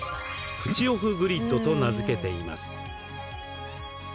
プチオフグリッドと名付けています。